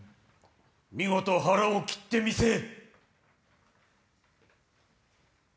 見事腹を切ってみせえ。